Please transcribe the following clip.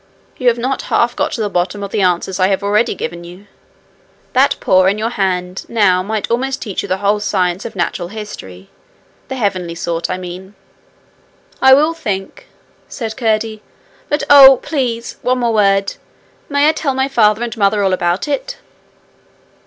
'You have not half got to the bottom of the answers I have already given you. That paw in your hand now might almost teach you the whole science of natural history the heavenly sort, I mean.' 'I will think,' said Curdie. 'But oh! please! one word more: may I tell my father and mother all about it?'